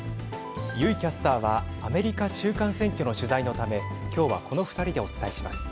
油井キャスターはアメリカ中間選挙の取材のため今日はこの２人でお伝えします。